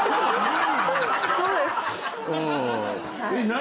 何？